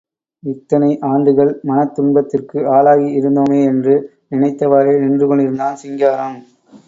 இத்தனை ஆண்டுகள் மனத் துன்பத்திற்கு ஆளாகி இருந்தோமே, என்று நினைத்தவாறே நின்று கொண்டிருந்தான் சிங்காரம்.